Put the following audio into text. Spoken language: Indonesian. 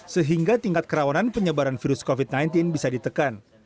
sehingga tingkat kerawanan penyebaran virus covid sembilan belas bisa ditekan